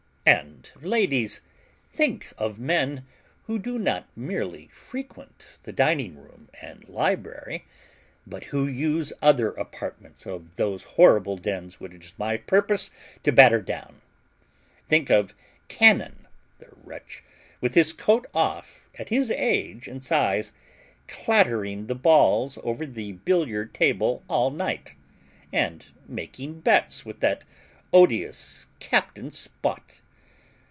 And, ladies, think of men who do not merely frequent the dining room and library, but who use other apartments of those horrible dens which it is my purpose to batter down; think of Cannon, the wretch, with his coat off, at his age and size, clattering the balls over the billiard table all night, and making bets with that odious Captain Spot!